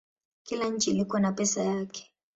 Kila nchi ilikuwa na pesa yake.